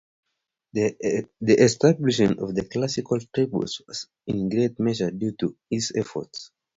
The establishment of the classical tripos was in great measure due to his efforts.